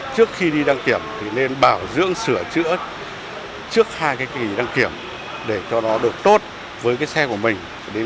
trước khi đi đăng kiểm thì nên bảo dưỡng sửa chữa trước hai cái kỳ đăng kiểm để cho nó được tốt với cái xe của mình